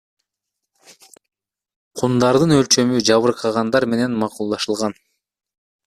Кундардын өлчөмү жабыркагандар менен макулдашылган.